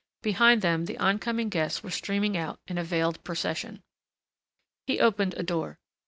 Behind them the oncoming guests were streaming out in veiled procession. He opened a door.